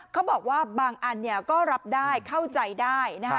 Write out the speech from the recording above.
เขาบอกว่าบางอันก็รับได้เข้าใจได้นะคะ